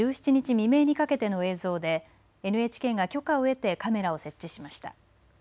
未明にかけての映像でＮＨＫが許可を得てカメラを設置しました。